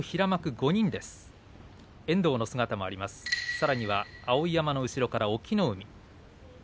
さらには碧山の後ろから隠岐の海。